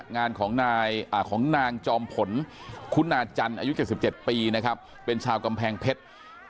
งานของนางจอมผลคุณาจันทร์อายุ๗๗ปีนะครับเป็นชาวกำแพงเพชร